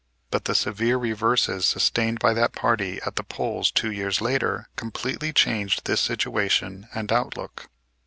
But the severe reverses sustained by that party at the polls two years later completely changed this situation and outlook.